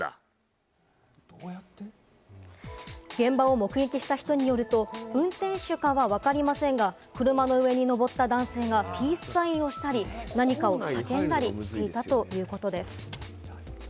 現場を目撃した人によると、運転手かはわかりませんが、車の上にのぼった男性がピースサインをしたり、何かを叫んだりしていたということです。